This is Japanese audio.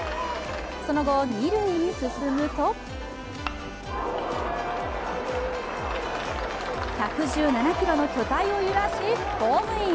その後、二塁に進むと１１７ｋｇの巨体を揺らし、ホームイン。